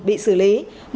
bị xử lý